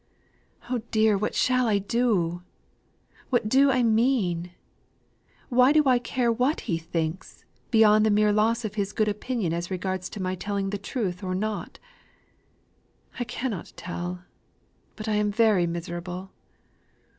oh dear! What shall I do? What do I mean? Why do I care what he thinks, beyond the mere loss of his good opinion as regards my telling the truth or not? I cannot tell. But I am very miserable!